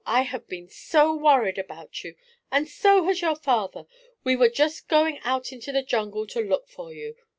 I have been so worried about you, and so has your father! We were just going out into the jungle to look for you."